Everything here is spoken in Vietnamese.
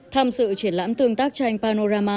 tham sự triển lãm tương tác tranh panorama